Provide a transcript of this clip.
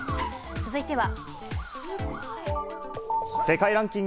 続いては。